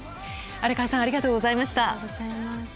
荒川さんありがとうございました。